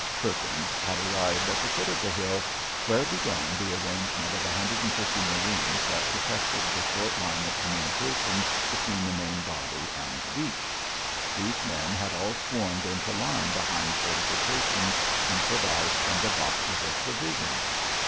Perkins had arrived at the foot of the hill, where began the arrangement of 150 marines that protected the short line of communication between the main body and the beach. These men had all swarmed into line behind fortifications improvised from the boxes of provisions.